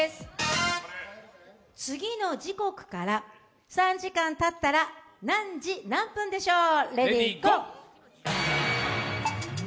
次の時刻から３時間たったら何時何分でしょう。